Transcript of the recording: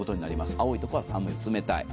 青いところは寒い、冷たい。